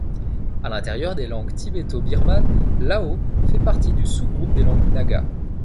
À l’intérieur des langues tibéto-birmanes, l’ao fait partie du sous-groupe des langues naga.